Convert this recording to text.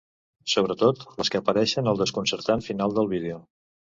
Sobretot, les que apareixen al desconcertant final del vídeo.